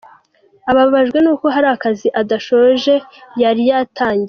Ababajwe n’uko hari akazi adashoje yari yatangiye.